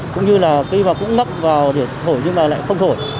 cũng như là khi mà cũng ngấp vào để thổi nhưng mà lại không thổi